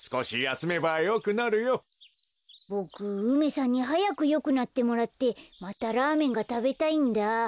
ボク梅さんにはやくよくなってもらってまたラーメンがたべたいんだ。